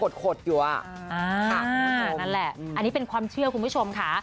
พูดขดอยู่อ่ะขาดนั่นแหละอันนี้เป็นความเชื่อคุณผู้ชมค่ะ